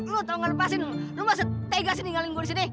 lu tahu gak lepasin lo masih tegasin tinggalin gue disini